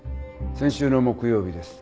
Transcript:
先週の木曜日です。